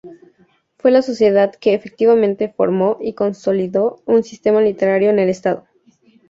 Fue la sociedad que efectivamente formó y consolidó un sistema literario en el estado.